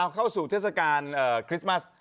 เข้าสู่เทศกาลคริสต์มัส